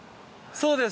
そうです